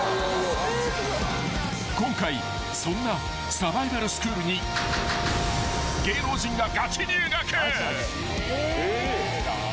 ［今回そんなサバイバルスクールに芸能人が］